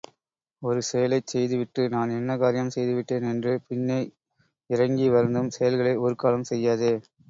ஒரு செயலைச் செய்துவிட்டு, நான் என்ன காரியம் செய்துவிட்டேன் என்று பின்னே இரங்கி வருந்தும் செயல்களை ஒருக்காலும் செய்யாதே.